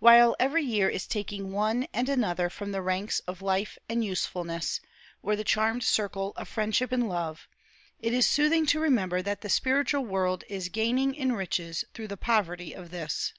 While every year is taking one and another from the ranks of life and usefulness, or the charmed circle of friendship and love, it is soothing to remember that the spiritual world is gaining in riches through the poverty of this.